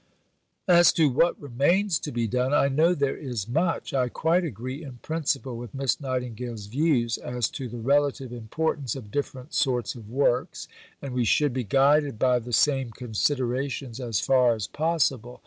As to what remains to be done, I know there is much.... I quite agree in principle with Miss Nightingale's views as to the relative importance of different sorts of works, and we should be guided by the same considerations as far as possible.